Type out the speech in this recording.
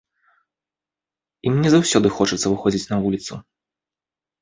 Ім не заўсёды хочацца выходзіць на вуліцу.